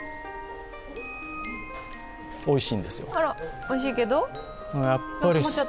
おいしいんですよ。